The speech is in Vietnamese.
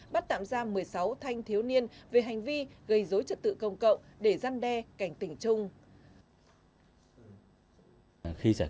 bắt tạm ra một mươi sáu thanh thiếu niên về hành vi gây dối trật tự công cộng để gian đe cảnh tỉnh chung